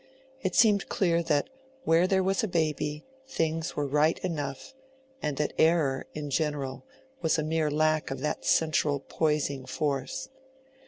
It seemed clear that where there was a baby, things were right enough, and that error, in general, was a mere lack of that central poising force.